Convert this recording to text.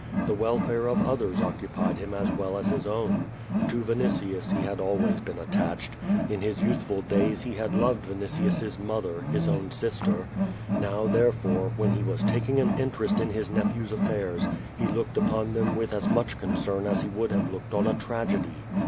The welfare of others oc cupied him as well as his own. To Vinitius he had always been attached. In his youthful days he had loved Vinitius's mother, his own sister. Now, therefore, when he was taking an interest in his nephew's affairs, he looked upon them with as much concern as he would have looked on a tragedy.